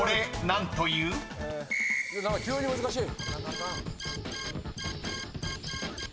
何か急に難しい！